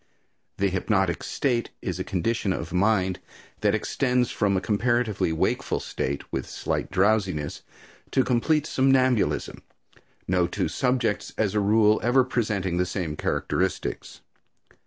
The hypnotic state is a condition of mind that extends from a comparatively wakeful state, with slight drowsiness, to complete somnambulism, no two subjects, as a rule, ever presenting the same characteristics.